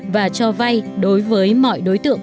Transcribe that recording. và cho vay đối với mọi đối tượng